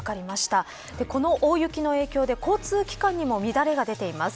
この大雪の影響で交通機関にも乱れが出ています。